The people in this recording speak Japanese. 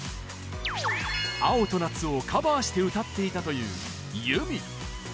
『青と夏』をカバーして歌っていたという結海